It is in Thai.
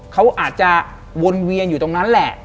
เขาอาจจะวนเวียนอยู่ตรงนั้นแหละ